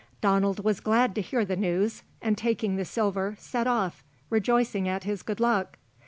Donald was glad to hear the news, and taking the silver, set off, rejoicing at his good luck.